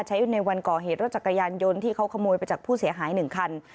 ใช้ในวันก่อเหตุรถจักรยานยนต์ที่เขาขโมยไปจากผู้เสียหาย๑คัน